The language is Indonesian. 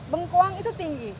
bengkuang itu tinggi